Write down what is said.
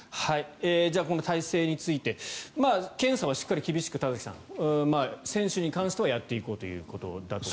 この体制について検査はしっかり厳しく選手に関してはやっていこうということだと。